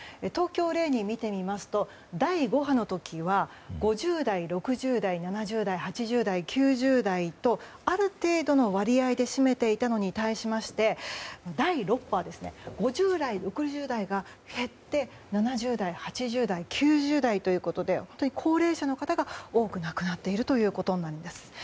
東京を例に見てみますと第５波の時は５０代、６０代、７０代、８０代９０代とある程度の割合で占めていたのに対しまして第６波は５０代、６０代が減って７０代、８０代９０代ということで本当に高齢者の方が多く亡くなっていることです。